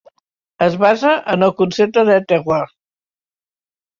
Es basa en el concepte de "terroir".